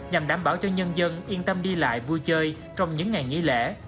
nhằm đảm bảo cho nhân dân yên tâm đi lại vui chơi trong những ngày nghỉ lễ